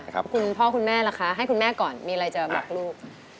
คุณพ่อคุณแม่ล่ะคะให้คุณแม่ก่อนมีอะไรจะบอกลูก